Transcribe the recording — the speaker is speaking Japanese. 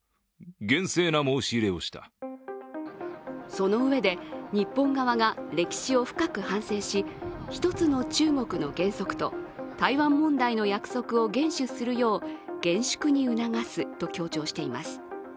そのうえで日本側が歴史を深く反省し、一つ中国の原則と台湾問題の約束を厳守するよう厳粛に促すと強調しています。